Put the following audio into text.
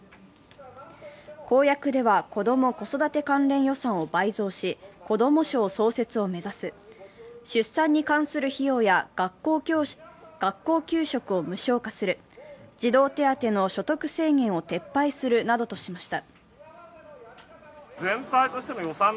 公約では、子ども・子育て関連予算を倍増し、子ども省創設を目指す、出産に関する費用や学校給食を無償化する、児童手当の所得制限を撤廃するなどとしました。